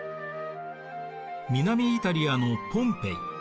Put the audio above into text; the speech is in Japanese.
南イタリアのポンペイ。